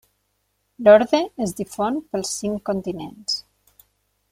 L'orde es difon pels cinc continents.